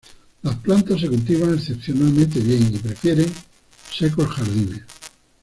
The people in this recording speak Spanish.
Las plantas se cultivan excepcionalmente bien y prefieren secos jardines.